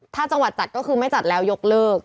ถ้าจังหวัดจัดก็คือไม่จัดแล้วยกเลิก